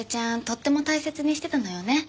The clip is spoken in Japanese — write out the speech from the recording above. とっても大切にしてたのよね。